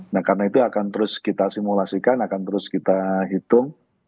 nah karena itu akan terus kita simulasikan akan terus kita hitung